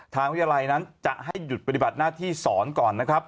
ทางวิทยาลัยนั้นจะให้หยุดปฏิบัติหน้าที่สอนก่อนนะครับ